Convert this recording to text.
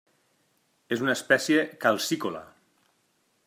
És una espècie calcícola.